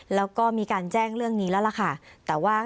แล้วก็มีการแจ้งเรื่องนี้แล้วล่ะค่ะ